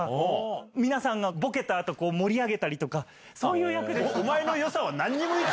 皆さんがボケた後盛り上げたりそういう役。